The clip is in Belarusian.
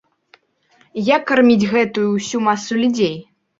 Як карміць гэтую ўсю масу людзей?